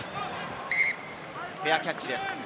フェアキャッチです。